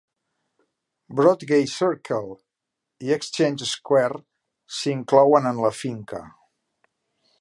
Broadgate Circle i Exchange Square s'inclouen en la finca.